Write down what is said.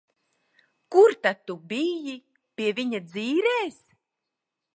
Kur tad tu biji? Pie viņa dzīrēs?